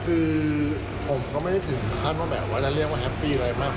คือผมก็ไม่ได้ถึงขั้นว่าแบบว่าจะเรียกว่าแฮปปี้อะไรมาก